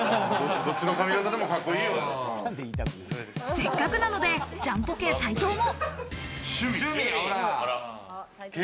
せっかくなのでジャンポケ・斉藤も。